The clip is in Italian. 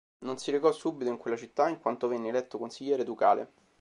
Non si recò subito in quella città, in quanto venne eletto consigliere ducale.